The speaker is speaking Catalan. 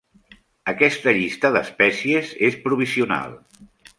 Aquesta llista d'espècies és provisional.